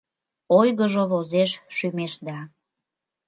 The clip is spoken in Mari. Ойгыжо возеш шӱмешда.